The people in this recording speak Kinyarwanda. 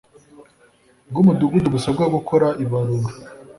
bw umudugudu busabwe gukora ibarura